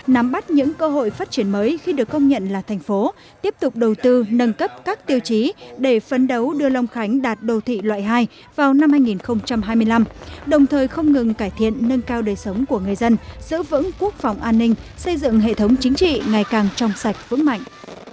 nắm bắt những cơ hội phát triển mới khi được công nhận là thành phố tiếp tục đầu tư nâng cấp các tiêu chí để phấn đấu đưa long khánh đạt đầu thị loại hai vào năm hai nghìn hai mươi năm đồng thời không ngừng cải thiện nâng cao đời sống của người dân giữ vững quốc phòng an ninh xây dựng hệ thống chính trị ngày càng trong sạch vững mạnh